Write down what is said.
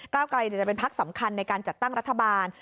ก้าวก้าวกลัยจะเป็นพักสำคัญในการจัดตั้งรัฐบาล